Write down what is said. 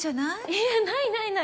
いやないないない。